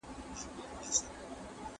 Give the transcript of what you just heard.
¬ په يوه موزه کي دوې پښې نه ځائېږي.